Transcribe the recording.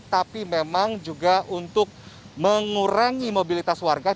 tapi memang juga untuk mengurangi mobilitas warga